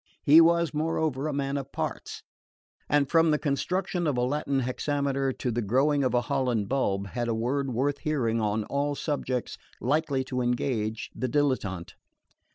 He was moreover a man of parts, and from the construction of a Latin hexameter to the growing of a Holland bulb, had a word worth hearing on all subjects likely to engage the dilettante.